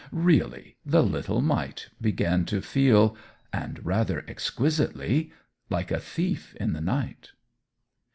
Really, the little mite began to feel and rather exquisitely like a thief in the night.